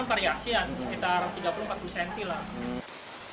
ini variasian sekitar tiga puluh empat puluh cm lah